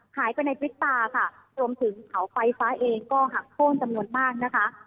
หายไปในพริบตาค่ะรวมถึงเสาไฟฟ้าเองก็หักโค้นจำนวนมากนะคะ